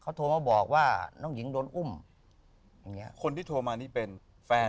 เขาโทรมาบอกว่าน้องหญิงโดนอุ้มคนที่โทรมานี่เป็นแฟน